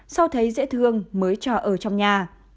sau thấy dễ thương mới cho ở trong nhà